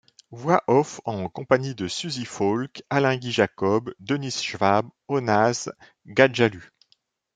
Voix off en compagnie de Suzy Falk, Alain-Guy Jacob, Denise Schwab, Hoonaz Ghajallu...